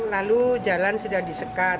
lalu jalan sudah disekat